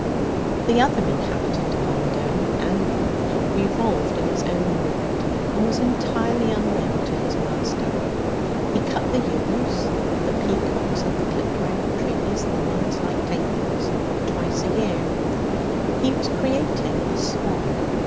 The other inhabitant of Undern, Andrew, revolved in his own orbit, and was entirely unknown to his master. He cut the yews the peacocks and the clipped round trees and the ones like tables twice a year. He was creating a swan.